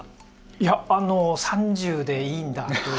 いや、あの３０でいいんだという。